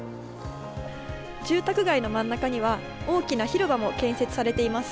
住宅街の真ん中には、大きな広場も建設されています。